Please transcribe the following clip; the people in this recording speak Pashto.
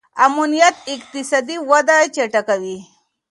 امنیت اقتصادي وده چټکوي.